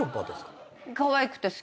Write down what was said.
かわいくて好き。